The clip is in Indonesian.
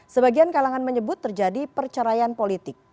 sebagian kalangan menyebut terjadi perceraian politik